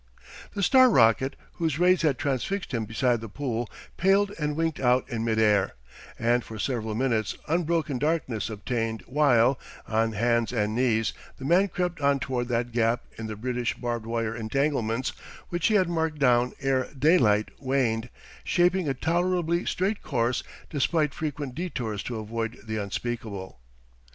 The star rocket, whose rays had transfixed him beside the pool, paled and winked out in mid air, and for several minutes unbroken darkness obtained while, on hands and knees, the man crept on toward that gap in the British barbed wire entanglements which he had marked down ere daylight waned, shaping a tolerably straight course despite frequent detours to avoid the unspeakable.